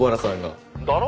だろ？